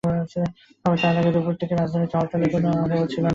তবে তার আগে দুপুর থেকেই রাজধানীতে হরতালের কোনো আবহ ছিল না।